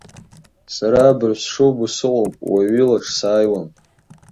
Сара абыржә сшубо сыҟоуп, уаҩ илаҿ сааиуам.